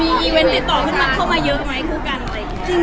มีอีเวนต์ติดต่อขึ้นมาเข้ามาเยอะไหมคู่กัน